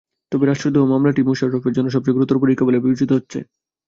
তবে রাষ্ট্রদ্রোহ মামলাটিই মোশাররফের জন্য সবচেয়ে গুরুতর পরীক্ষা বলে বিবেচিত হচ্ছে।